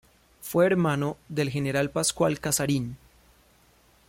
Fue hermano del general Pascual Casarín.